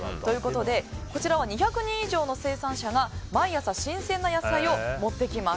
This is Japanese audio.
こちらは２００人以上の生産者が毎朝新鮮な野菜を持ってきます。